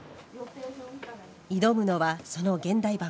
挑むのは、その現代版。